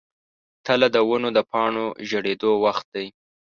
تله د ونو د پاڼو ژیړیدو وخت دی.